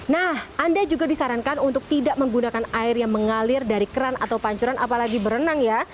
nah anda juga disarankan untuk tidak menggunakan air yang mengalir dari keran atau pancuran apalagi berenang ya